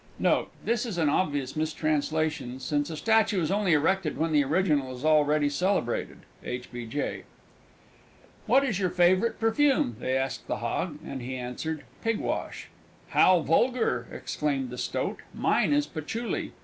Note. This is an obvious mistranslation, since a Statue is only erected when the Original is already celebrated. H. B. J. "What is your favourite Perfume?" they asked the Hog, and he answered them, "Pigwash." "How vulgar!" exclaimed the Stoat. "Mine is Patchouli!"